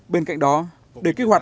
bên cạnh đó để kích hoạt lại